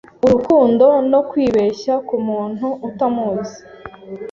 Urukundo no kwibeshya kumuntu utamuzi